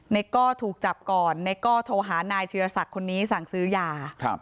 ก้อถูกจับก่อนในก้อโทรหานายธีรศักดิ์คนนี้สั่งซื้อยา